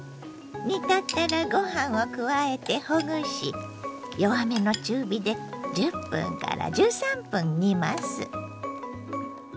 煮立ったらご飯を加えてほぐし弱めの中火で１０１３分煮ます。